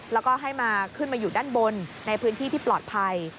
แล้วก็ให้มาขึ้นมาอยู่ด้านบนในพื้นที่ที่ปลอดภัย